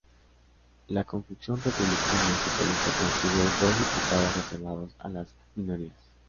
La conjunción republicano-socialista consigue dos diputados reservados a las minorías.